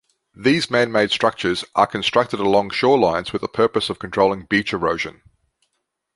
These manmade structures are constructed along shorelines with the purpose of controlling beach erosion.